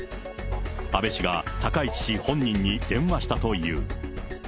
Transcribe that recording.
安倍氏が高市氏本人に電話したという。